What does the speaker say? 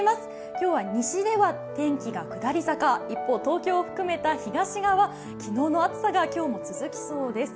今日は西では天気は下り坂、一方、東京を含めた東側は昨日の暑さが今日も続きそうです。